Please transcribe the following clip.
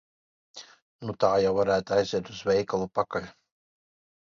Nu tā jau varētu aiziet uz veikalu pakaļ.